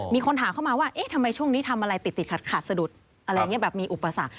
มีคนถามเข้ามาว่าทำไมช่วงนี้ทำอะไรติดขัดสะดุดอะไรแบบมีอุปสรรค